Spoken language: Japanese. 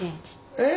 えっ？